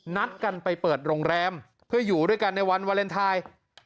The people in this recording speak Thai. นัดกันไปเปิดโรงแรมเพื่ออยู่ด้วยกันในวันวาเลนไทย